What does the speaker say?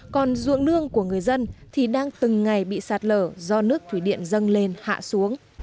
còn ruộng nương của người dân thì đang từng ngày bị sạt lở do nước thủy điện dâng lên hạ xuống